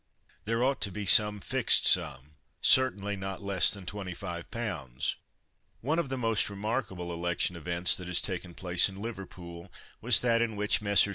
There ought to be some fixed sum certainly not less than 25 pounds." One of the most remarkable election events that has taken place in Liverpool was that in which Messrs.